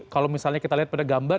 kalau misalnya kita lihat pada gambar